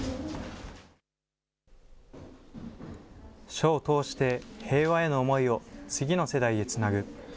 書を通して、平和への思いを次の世代へつなぐ。